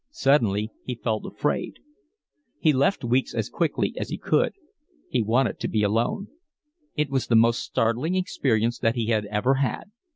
Suddenly he felt afraid. He left Weeks as quickly as he could. He wanted to be alone. It was the most startling experience that he had ever had.